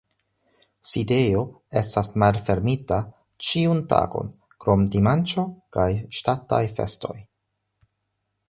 Sidejo estas malfermita ĉiun tagon krom dimanĉo kaj ŝtataj festoj.